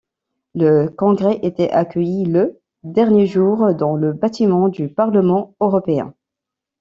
Le congrès était accueilli le dernier jour dans le bâtiment du Parlement européen.